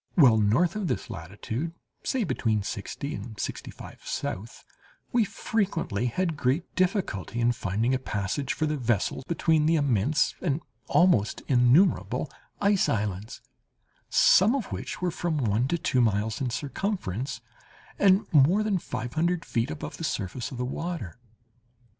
While north of this latitude, say between sixty and sixty five south, we frequently had great difficulty in finding a passage for the vessel between the immense and almost innumerable ice islands, some of which were from one to two miles in circumference, and more than five hundred feet above the surface of the water."